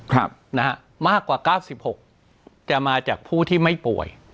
ครับนะฮะมากกว่าเก้าสิบหกจะมาจากผู้ที่ไม่ป่วย